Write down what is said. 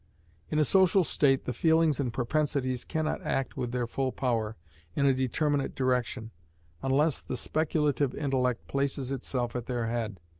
In a social state the feelings and propensities cannot act with their full power, in a determinate direction, unless the speculative intellect places itself at their head.